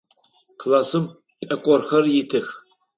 Классым пӏэкӏорхэр итых.